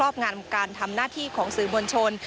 งานการทำหน้าที่ของสื่อมวลชน